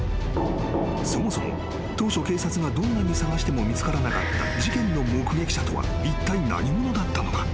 ［そもそも当初警察がどんなに捜しても見つからなかった事件の目撃者とはいったい何者だったのか？］